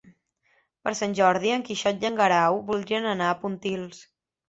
Per Sant Jordi en Quixot i en Guerau voldrien anar a Pontils.